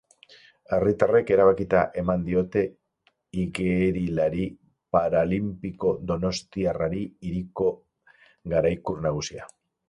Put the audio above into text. Herritarrek erabakita eman diote igerilari paralinpiko donostiarrari hiriko garaikur nagusia.